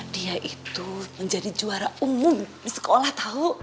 dia itu menjadi juara umum di sekolah tahu